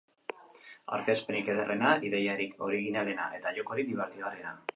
aurkezpenik ederrena, ideiarik originalena eta jokorik dibertigarriena